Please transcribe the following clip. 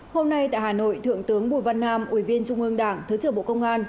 hôm nay tại hà nội thượng tướng bùi văn nam ủy viên trung ương đảng thứ trưởng bộ công an